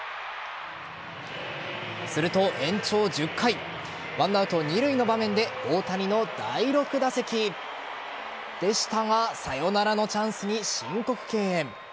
すると延長１０回１アウト二塁の場面で大谷の第６打席でしたがサヨナラのチャンスに申告敬遠。